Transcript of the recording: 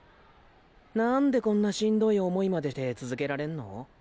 何でこんなしんどい思いまでして続けられんの？